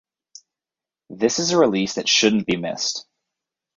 This is a release that shouldn't be missed.